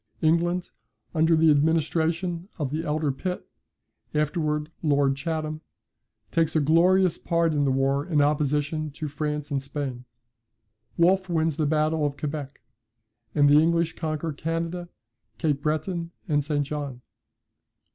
England, under the administration of the elder Pitt (afterwards Lord Chatham), takes a glorious part in the war in opposition to France and Spain. Wolfe wins the battle of Quebec, and the English conquer Canada, Cape Breton, and St. John.